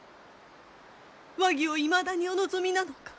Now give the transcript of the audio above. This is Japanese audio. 和議をいまだにお望みなのか？